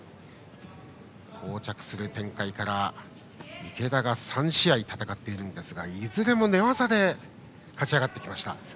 こう着する展開から池田が３試合戦っていますがいずれも寝技で勝ち上がってきました。